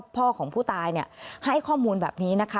พ่อของผู้ตายให้ข้อมูลแบบนี้นะคะ